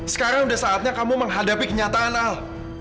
sekarang sudah saatnya kamu menghadapi kenyataan al